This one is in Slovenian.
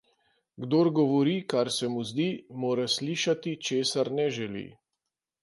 Kdor govori, kar se mu zdi, mora slišati, česar ne želi.